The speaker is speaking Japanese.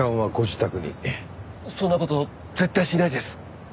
そんな事絶対しないです。